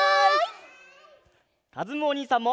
かずむおにいさんも！